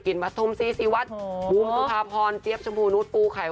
กินวัดทุมซีซีวัดวูมทุพาพรเจี๊ยบชมูนุษย์ปูไข่